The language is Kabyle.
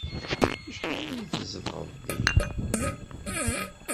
Acḥal ay tzedɣeḍ din?